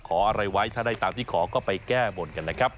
อะไรไว้ถ้าได้ตามที่ขอก็ไปแก้บนกันนะครับ